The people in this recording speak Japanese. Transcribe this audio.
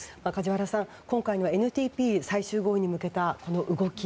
梶原さん、今回のＮＰＴ最終合意に向けた動き